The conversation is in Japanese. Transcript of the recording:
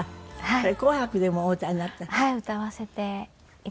これ『紅白』でもお歌いになった。